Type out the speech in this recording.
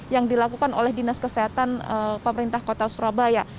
yang dilakukan oleh dinas kesehatan pemerintah kota surabaya